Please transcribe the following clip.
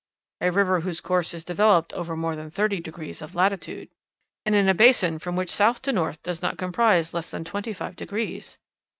"A river whose course is developed over more than thirty degrees of latitude." "And in a basin which from south to north does not comprise less than twenty five degrees."